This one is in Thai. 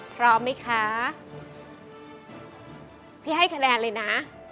พร้อมไหมคะพี่ให้คะแนนเลยนะ